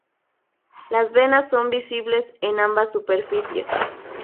Las venas son visibles en ambas superficies.